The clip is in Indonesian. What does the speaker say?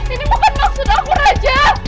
ini bukan maksud aku raja